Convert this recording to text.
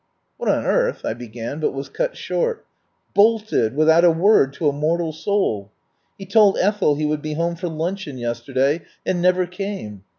"What on earth " I began, but was cut short. "Bolted without a word to a mortal soul. He told Ethel he would be home for luncheon yesterday, and never came.